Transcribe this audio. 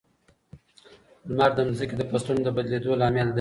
لمر د ځمکې د فصلونو د بدلېدو لامل دی.